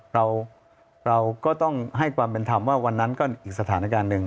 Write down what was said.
เราก็ต้องให้ความเป็นธรรมว่าวันนั้นก็อีกสถานการณ์หนึ่ง